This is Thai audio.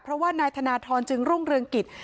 เพราะว่านายธนทรจึงรุ่งเรืองกิจ